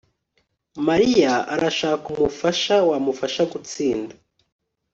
Mariya arashaka umufasha wamufasha gutsinda